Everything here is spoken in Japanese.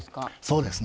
そうですね。